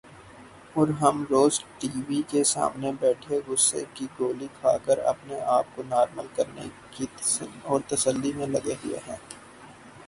اور ہم روز ٹی وی کے سامنے بیٹھے غصے کی گولی کھا کر اپنے آپ کو نارمل کرنے اور تسلی میں لگے ہوئے ہیں ۔